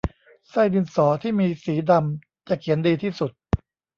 ไส้ดินสอที่มีสีดำจะเขียนดีที่สุด